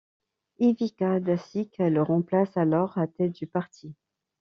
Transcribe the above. Ivica Dačić le remplace alors à tête du parti.